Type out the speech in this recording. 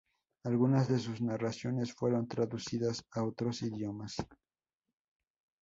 Algunas de sus narraciones fueron traducidas a otros idiomas.